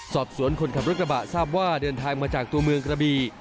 คนขับรถกระบะทราบว่าเดินทางมาจากตัวเมืองกระบี